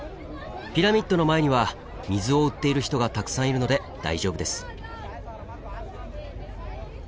ピラミッドの前には水を売っている人がたくさんいるので大丈夫です。